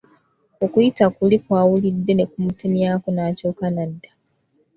Okuyita kuli kw’awulidde ne kumutemyako n’akyuka n’adda.